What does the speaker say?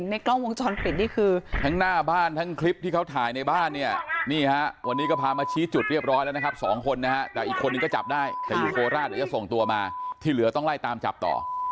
นี่ฮะวันนี้ก็พามาชี้จุดเรียบร้อยแล้วนะครับสองคนนะฮะแต่อีกคนนี้ก็จับได้แต่ยุโคราตเดี๋ยวจะส่งตัวมาที่เหลือต้องไล่ตามจับต่อ